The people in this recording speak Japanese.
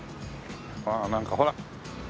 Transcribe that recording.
ああなんかほら。